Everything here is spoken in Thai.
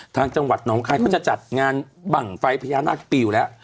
ทางจังหวัดน้องไข้เขาจะจัดงานบั่งไฟพยานาคเปียวแล้ว